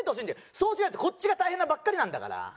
そうしないとこっちが大変なばっかりなんだから。